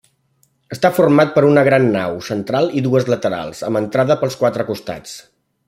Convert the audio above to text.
Està format per una gran nau central i dues laterals, amb entrada pels quatre costats.